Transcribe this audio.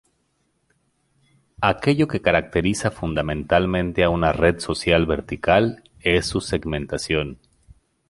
Aquello que caracteriza fundamentalmente a una red social vertical es su segmentación.